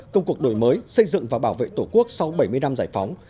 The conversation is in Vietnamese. công cuộc đổi mới xây dựng và bảo vệ tổ quốc sau bảy mươi năm giải phóng